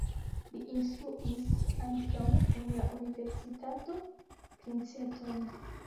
Li instruis ankaŭ en la Universitato Princeton.